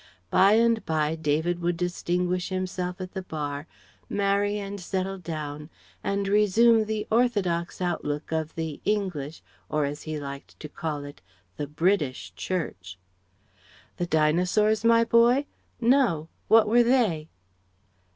By and bye, David would distinguish himself at the Bar, marry and settle down, and resume the orthodox outlook of the English or as he liked to call it the British Church.) "The Dinosaurs, my boy? No. What were they?"